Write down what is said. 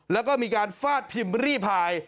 แล้วก็มีการฟาดพิมพ์รีพาย